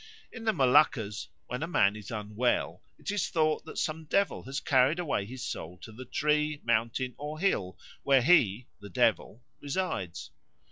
In the Moluccas when a man is unwell it is thought that some devil has carried away his soul to the tree, mountain, or hill where he (the devil) resides.